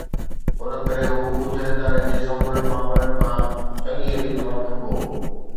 ان ڪري هو ڳجهن ادارن جي سمورن معاملن کان چڱيءَ ريت واقف هو